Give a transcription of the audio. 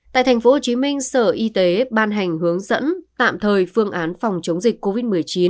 tại tp hcm sở y tế ban hành hướng dẫn tạm thời phương án phòng chống dịch covid một mươi chín